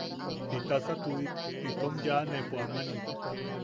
¿Jitasa tuʼik itom yaʼaneʼepo amani?